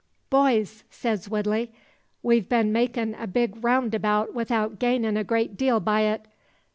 "Boys!" says Woodley, "we've been makin' a big roundabout 'ithout gainin' a great deal by it.